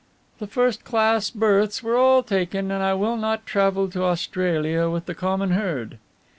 "The first class berths are all taken and I will not travel to Australia with the common herd."